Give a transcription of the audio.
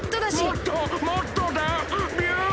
もっともっとだ！ビュン！